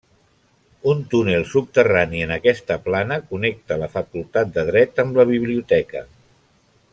Un túnel subterrani en aquesta plana connecta la facultat de dret amb la biblioteca.